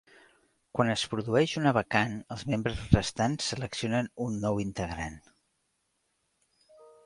Quan es produeix una vacant, els membres restants seleccionen un nou integrant.